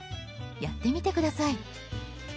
やってみて下さい。